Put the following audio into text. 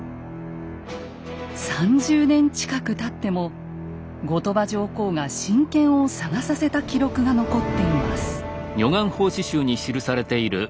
３０年近くたっても後鳥羽上皇が神剣を捜させた記録が残っています。